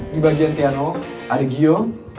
di bagian teno ada gio